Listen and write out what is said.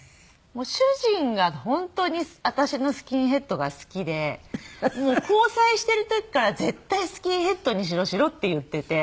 主人が本当に私のスキンヘッドが好きで交際している時から「絶対スキンヘッドにしろしろ」って言っていて。